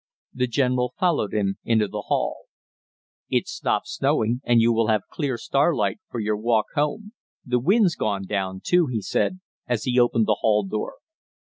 The general followed him into the hall. "It's stopped snowing, and you will have clear starlight for your walk home, the wind's gone down, too!" he said, as he opened the hall door.